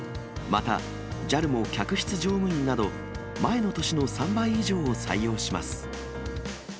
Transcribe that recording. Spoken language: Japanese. また、ＪＡＬも客室乗務員など、前の年の３倍以上を採用します。